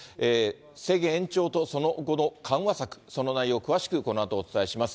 制限延長と、その後の緩和策、その内容を詳しくこのあとお伝えします。